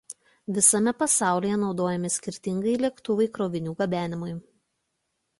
Visame pasaulyje naudojami skirtingi lėktuvai krovinių gabenimui.